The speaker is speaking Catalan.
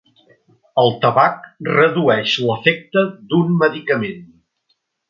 El tabac redueix l'efecte d'un medicament